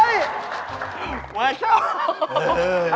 เอ่ย